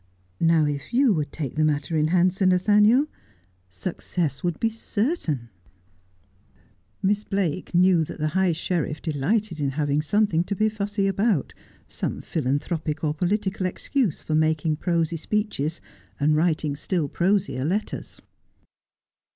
Now if you would take the matter in hand, Sir Nathaniel, success would be certain.' 100 Just as I Am. Miss Blake knew that the high sheriff delighted in having something to be fussy about, some philanthropic or political excuse for making prosy speeches, and writing still prosier letters.